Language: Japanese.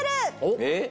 えっ？